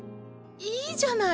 いいじゃない！